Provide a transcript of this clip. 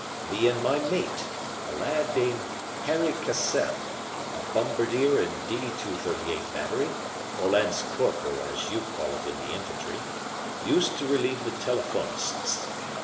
"Me and my mate, a lad named Harry Cassell, a Bombardier in D 238 Battery, or Lance Corporal, as you call it in the infantry, used to relieve the telephonists.